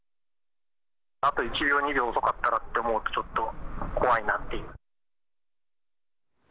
あと１秒、２秒遅かったらって思うと、ちょっと怖いなっていう。